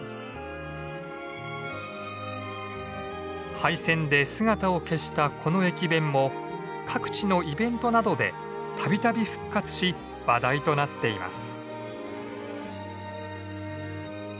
廃線で姿を消したこの駅弁も各地のイベントなどでたびたび復活し話題となっています。